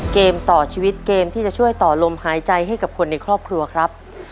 เกมต่อชีวิตเกมที่จะช่วยต่อลมหายใจให้กับคนในครอบครัวครับ